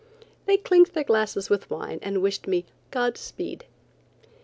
They clinked their glasses with wine, and wished me "God speed."